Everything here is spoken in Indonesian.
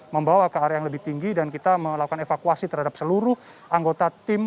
membawa ke area yang lebih tinggi dan kita melakukan evakuasi terhadap seluruh anggota tim